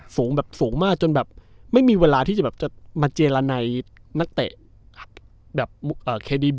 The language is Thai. สูงแบบสูงมากจนแบบไม่มีเวลาที่จะแบบจะมาเจรนัยนักเตะแบบ